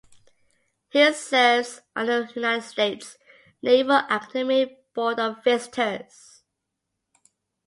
He serves on the United States Naval Academy Board of Visitors.